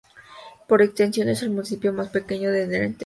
Por extensión es el municipio más pequeño de Drente.